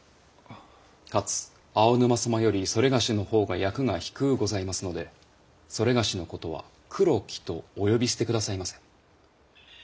かつ青沼様よりそれがしのほうが役が低うございますのでそれがしのことは黒木とお呼び捨て下さいませ。